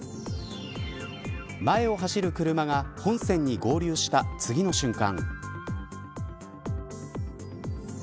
前を走る車が本線に合流した次の瞬間。